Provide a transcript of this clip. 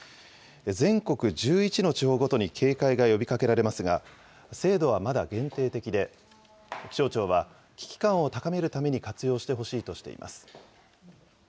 全国１１の地方ごとに警戒が呼びかけられますが、精度はまだ限定的で、気象庁は、危機感を高めるために活用してほしいとしています。